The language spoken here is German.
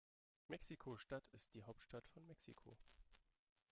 Mexiko-Stadt ist die Hauptstadt von Mexiko.